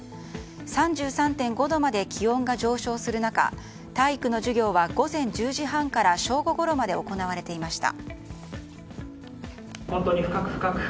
３３．５度まで気温が上昇する中体育の授業は午前１０時半から正午ごろまで行われていました。